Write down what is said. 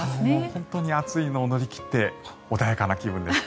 本当に暑いのを乗り切って穏やかな気分です。